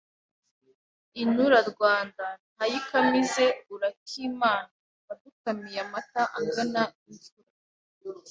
inturarwanda Nta yikamize urakimana Wadukamiye amata angana imvura